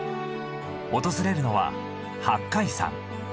訪れるのは八海山。